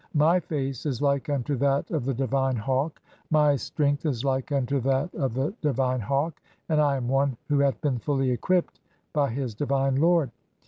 My face is like unto that of the divine hawk, "my strength is like unto that of the divine hawk, and I am "one who hath been fully equipped by his divine Lord.